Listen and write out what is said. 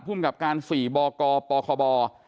ผู้มีกับการฝีบกปคบ